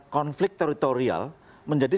konflik teritorial menjadi